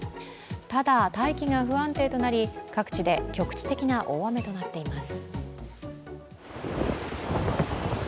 ただ、大気が不安定となり各地で記録的な大雨となっています。